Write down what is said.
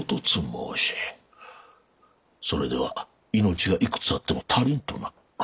それでは命がいくつあっても足りぬとな。